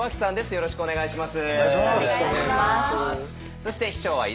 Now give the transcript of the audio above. よろしくお願いします。